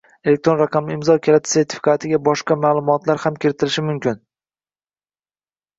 elektron raqamli imzo kaliti sertifikatiga boshqa ma’lumotlar ham kiritilishi mumkin.